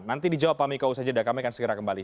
nanti dijawab pak miko usajeda kami akan segera kembali